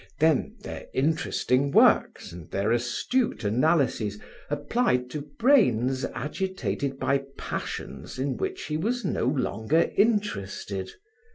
Then their interesting works and their astute analyses applied to brains agitated by passions in which he was no longer interested.